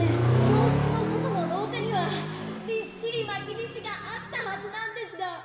教室の外のろうかにはびっしりまきびしがあったはずなんですが。